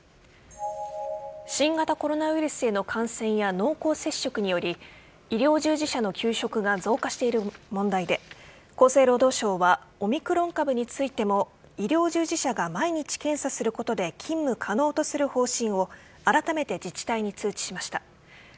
新型コロナウイルスへの感染や濃厚接触により医療従事者の休職が増加している問題で厚生労働省はオミクロン株についても医療従事者が毎日検査することで勤務可能とする方針をあらためて自治体に通知しました。